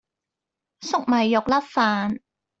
粟米肉粒飯